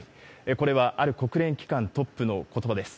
これはある国連機関トップのことばです。